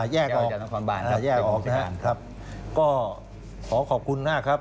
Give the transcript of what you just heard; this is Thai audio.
แยกออกนะครับกรมจักรบรสอบจุงปลางครับแยกออกนะครับก็ขอขอบคุณมากครับ